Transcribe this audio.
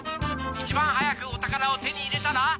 一番早くお宝を手に入れたら。